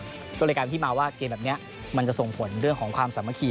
ก็เลยกลายเป็นที่มาว่าเกมแบบนี้มันจะส่งผลเรื่องของความสามัคคี